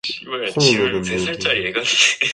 시시한 일에 시간을 낭비하지 말아라.